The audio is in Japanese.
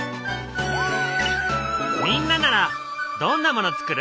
みんなならどんなものつくる？